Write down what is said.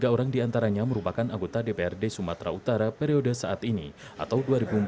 dua puluh tiga orang di antaranya merupakan anggota dprd sumatera utara periode saat ini atau dua ribu empat belas dua ribu sembilan belas